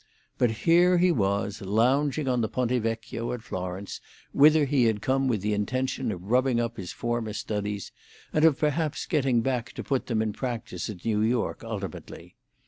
But here he was, lounging on the Ponte Vecchio at Florence, whither he had come with the intention of rubbing up his former studies, and of perhaps getting back to put them in practice at New York ultimately.